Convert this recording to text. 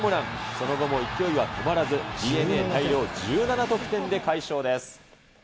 その後も勢いは止まらず、ＤｅＮＡ、大量１７得点で快勝です。